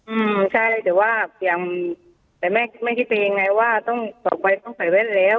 อืมใช่แต่ว่าเพียงแต่แม่ไม่คิดไปยังไงว่าต้องต่อไปต้องใส่แว่นแล้ว